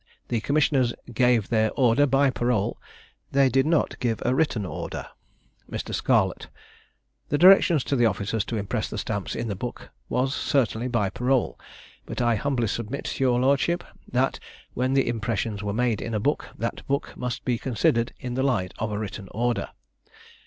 The commissioners gave their order by parole, they did not give a written order. Mr. Scarlett. The directions to the officers to impress the stamps in the book was certainly by parole, but I humbly submit to your lordship, that when the impressions were made in a book, that book must be considered in the light of a written order.